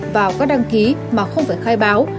vào các đăng ký mà không phải khai báo